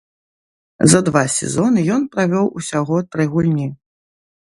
За два сезоны ён правёў усяго тры гульні.